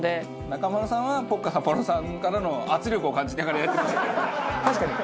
中丸さんはポッカサッポロさんからの圧力を感じながらやってましたけどね。